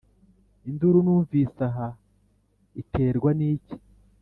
induru numvise aha itewe n' iki?"